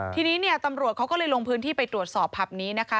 ทีนี้เนี่ยตำรวจเขาก็เลยลงพื้นที่ไปตรวจสอบผับนี้นะคะ